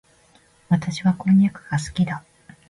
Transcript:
私はこんにゃくが好きだ。